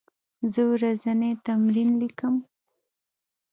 زه ورځنی تمرین لیکم.